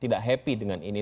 tidak senang dengan ini